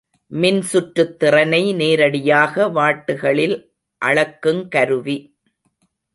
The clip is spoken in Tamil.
மின்சுற்றுத்திறனை நேரடியாக வாட்டுகளில் அளக்குங் கருவி.